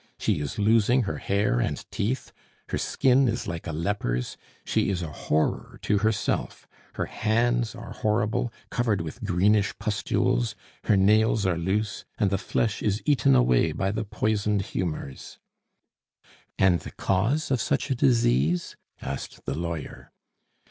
She is losing her hair and teeth, her skin is like a leper's, she is a horror to herself; her hands are horrible, covered with greenish pustules, her nails are loose, and the flesh is eaten away by the poisoned humors." "And the cause of such a disease?" asked the lawyer.